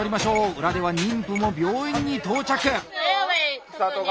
裏では妊婦も病院に到着。